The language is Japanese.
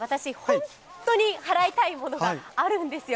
本当に祓いたいものがあるんですよ。